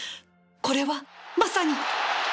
これはまさに